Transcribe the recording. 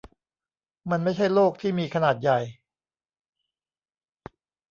มันไม่ใช่โลกที่มีขนาดใหญ่